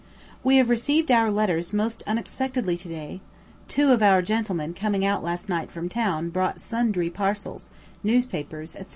We have received our letters most unexpectedly to day; two of our gentlemen coming out last night from town brought sundry parcels, newspapers, etc.